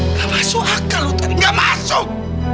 nggak masuk akal lu tadi nggak masuk